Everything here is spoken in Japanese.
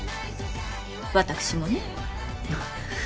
私もね。